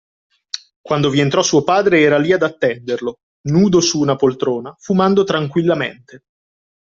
Quando vi entrò suo padre era lì ad attenderlo, nudo su una poltrona, fumando tranquillamente.